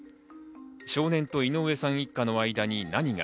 少年と井上さん一家の間に何が？